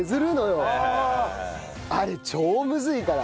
あれ超むずいから。